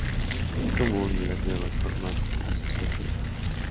Es común en las nuevas formas asociativas.